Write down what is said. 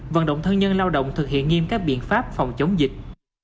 vận động thân nhân lao động thực hiện nghiêm các biện pháp phòng chống dịch